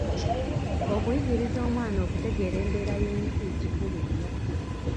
Okuyigiriza omwana okutegeera embeera y'ensi kikulu nnyo.